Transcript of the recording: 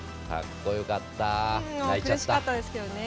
苦しかったですけどね。